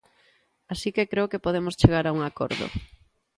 Así que creo que podemos chegar a un acordo.